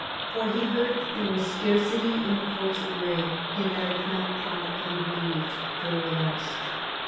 ... For he heard that there was scarcity in the forts of Re, and that, if not promptly relieved, they were lost."